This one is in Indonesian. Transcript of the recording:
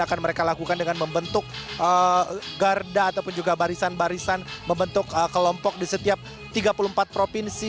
akan mereka lakukan dengan membentuk garda ataupun juga barisan barisan membentuk kelompok di setiap tiga puluh empat provinsi